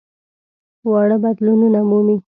واړه بدلونونه مومي.